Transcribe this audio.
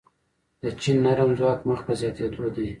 د چین نرم ځواک مخ په زیاتیدو دی.